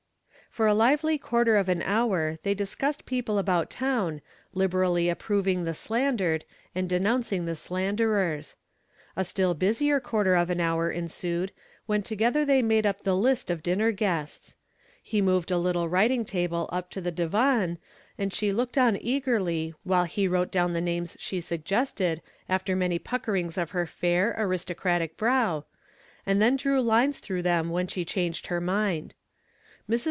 For a lively quarter of an hour they discussed people about town, liberally approving the slandered and denouncing the slanderers. A still busier quarter of an hour ensued when together they made up the list of dinner guests. He moved a little writing table up to the divan, and she looked on eagerly while he wrote down the names she suggested after many puckerings of her fair, aristocratic brow, and then drew lines through them when she changed her mind. Mrs.